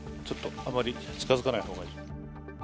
ちょっとあまり近づかない方がいい。